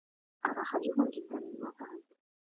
أنا خجل جدا مما فعلت.